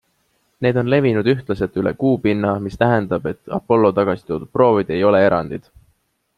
Need on levinud ühtlaselt üle Kuu pinna, mis tähendab, et Apollo tagasi toodud proovid ei ole erandid.